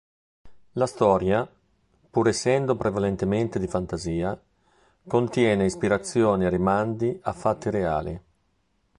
La storia, pur essendo prevalentemente di fantasia, contiene ispirazioni e rimandi a fatti reali.